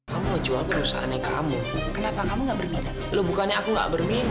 ini abis itu kamu mau ngapain